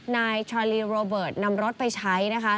นายชาลีโรเบิร์ตนำรถไปใช้นะคะ